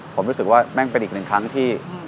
ผมรู้สึกว่าแม่งเป็นอีกหนึ่งครั้งที่